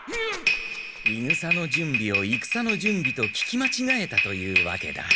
いぐさの準備をいくさの準備と聞きまちがえたというわけだ。